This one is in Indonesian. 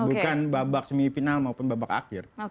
bukan babak semifinal maupun babak akhir